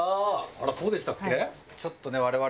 あらそうでしたっけ？